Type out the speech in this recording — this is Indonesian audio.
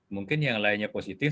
mungkin yang lainnya positif